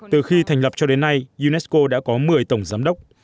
từ khi thành lập cho đến nay unesco đã có một mươi tổng giám đốc